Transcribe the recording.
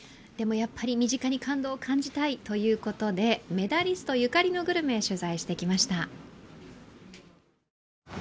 でもやっぱり身近に感動を感じたいということでメダリストゆかりのグルメ、取材してきました。